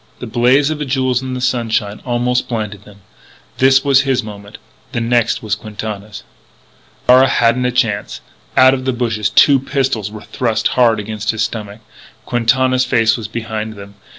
The blaze of the jewels in the sunshine almost blinded them. That was his moment. The next moment was Quintana's. Darragh hadn't a chance. Out of the bushes two pistols were thrust hard against his stomach. Quintana's face was behind them.